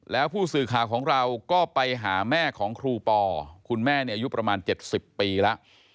แล้วผู้สื่อข่าวของเราก็ไปหาแม่ของครูปอคุณแม่เนี่ยอายุประมาณ๗๐ปีแล้ว